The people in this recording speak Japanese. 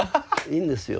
いいんですよ。